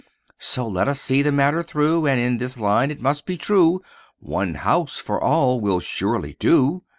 "So let us see the matter through, And, in this line, it must be true One house for all will surely do.